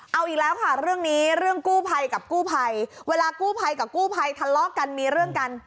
เอาอีกแล้วค่ะเรื่องนี้เรื่องกู้ภัยกับกู้ภัยเวลากู้ภัยกับกู้ภัยทะเลาะกันมีเรื่องกัน